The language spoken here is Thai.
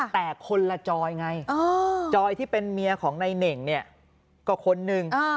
แต่คนละจอยไงจอยที่เป็นเมียของนายเน่งเนี่ยก็คนหนึ่ง